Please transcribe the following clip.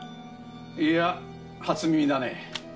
いや初耳だね。